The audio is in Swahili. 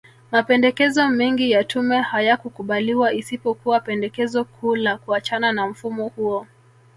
Mapendekezo mengi ya tume hayakukubaliwa isipokuwa pendekezo kuu la kuachana na mfumo huo